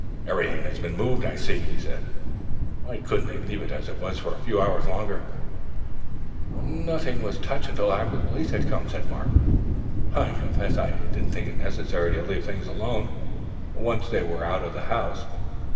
"Everything has been moved, I see," he said. "Why couldn't they leave it as it was for a few hours longer?" "Nothing was touched till after the police had gone," said Mark. "I confess I did not think it necessary to leave things alone once they were out of the house.